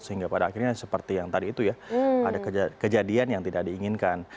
sehingga pada akhirnya seperti yang tadi itu ya ada kejadian yang tidak diinginkan